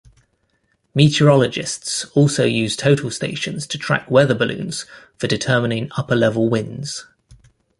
Meteorologists also use total stations to track weather balloons for determining upper-level winds.